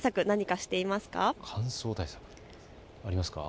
何かしていますか。